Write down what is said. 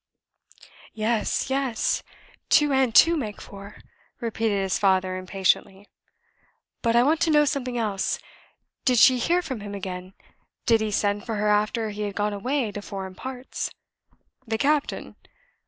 "Yes, yes; two and two make four," repeated his father, impatiently. "But I want to know something else. Did she hear from him again? Did he send for her after he had gone away to foreign parts?" "The captain?